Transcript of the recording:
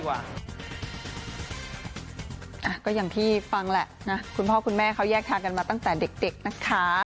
ก็อย่างที่ฟังแหละนะคุณพ่อคุณแม่เขาแยกทางกันมาตั้งแต่เด็กนะคะ